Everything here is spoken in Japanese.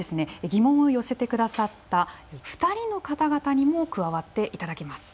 疑問を寄せてくださった２人の方々にも加わっていただきます。